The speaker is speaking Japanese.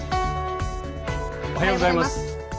おはようございます。